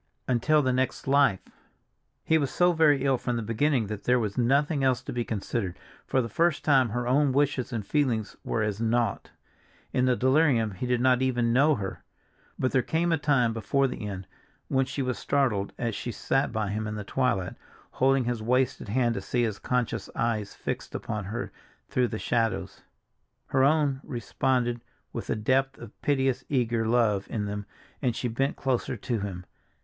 Until the next life! He was so very ill from the beginning that there was nothing else to be considered; for the first time her own wishes and feelings were as naught. In the delirium he did not even know her. But there came a time before the end when she was startled as she sat by him in the twilight, holding his wasted hand to see his conscious eyes fixed upon her through the shadows. Her own responded with a depth of piteous eager love in them as she bent closer to him.